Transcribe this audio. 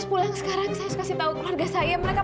semua yang berarti dari maya